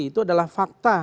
itu adalah fakta